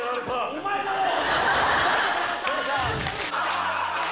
お前だろう！